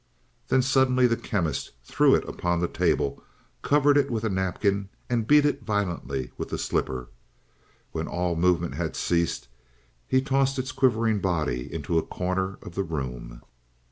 Then suddenly the Chemist threw it upon the table, covered it with a napkin, and beat it violently with the slipper. When all movement had ceased he tossed its quivering body into a corner of the room.